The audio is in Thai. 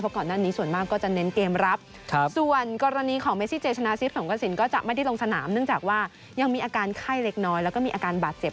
เพราะก่อนหน้านี้ส่วนมากก็จะเน้นเกมรับ